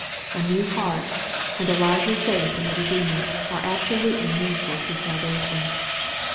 A new heart, and a lively faith in a Redeemer, are absolutely needful to salvation.